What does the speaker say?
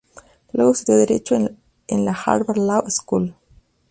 Luego estudió Derecho en la Harvard Law School.